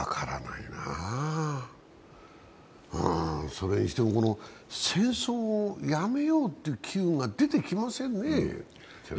それにしても、戦争をやめようっていう機運が出てきませんね。